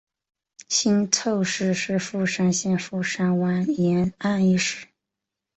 新凑市是富山县富山湾沿岸的一市。